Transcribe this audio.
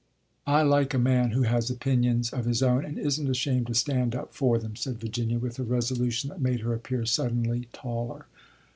"I like a man who has opinions of his own and isn't ashamed to stand up for them," said Virginia with a resolution that made her appear suddenly taller.